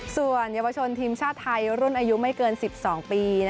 ส่วนเยาวชนทีมชาติไทยรุ่นอายุไม่เกิน๑๒ปี